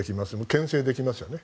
けん制できますよね。